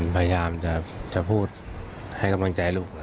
พยายามจะพูดให้กำลังใจลูก